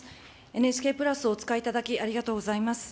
ＮＨＫプラスをお使いいただき、ありがとうございます。